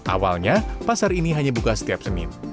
awalnya pasar ini hanya buka setiap senin